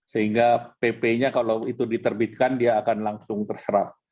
sehingga pp nya kalau itu diterbitkan dia akan langsung terserap